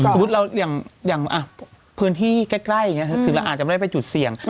สมมุติเราอย่างพื้นที่ใกล้อย่างนี้ถึงเราอาจจะไม่ได้ไปจุดเสี่ยง